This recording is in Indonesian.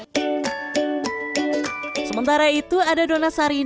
sementara itu ada donat sarina yang dijalankan oleh sowery sampai ketua